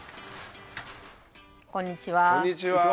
こんにちは。